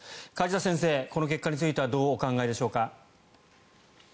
梶田先生、この結果についてはどうお考えでしょうか。